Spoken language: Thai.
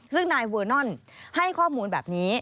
ซึ่งนายเวอร์นอนให้ข้อมูลแบบนี้